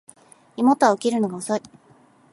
妹は起きるのが遅い